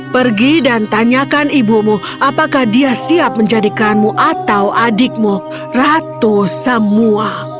pergi dan tanyakan ibumu apakah dia siap menjadikanmu atau adikmu ratu semua